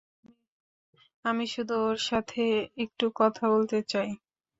আমি শুধু ওর সাথে একটু কথা বলতে চাই।